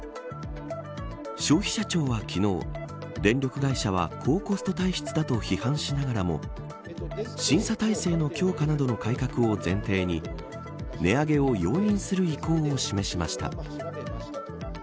消費者庁は昨日電力会社は、高コスト体質だと批判しながらも審査体制の強化などの改革を前提に値上げを容認する意向を示しました。